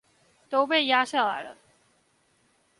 都被壓下來了